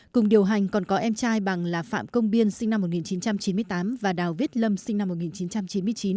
cùng điều hành còn có em trai bằng là phạm công biên sinh năm một nghìn chín trăm chín mươi tám và đào viết lâm sinh năm một nghìn chín trăm chín mươi chín